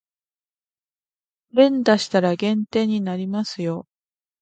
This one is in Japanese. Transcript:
連打したら減点になりますよ